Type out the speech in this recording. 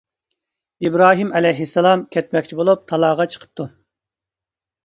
ئىبراھىم ئەلەيھىسسالام كەتمەكچى بولۇپ تالاغا چىقىپتۇ.